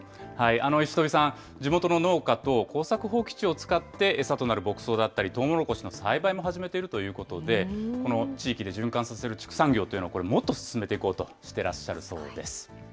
石飛さん、地元の農家と耕作放棄地を使って餌となる牧草だったり、トウモロコシの栽培も始めているということで、この地域で循環させる畜産業というの、もっと進めていこうとしてらっしゃるそうです。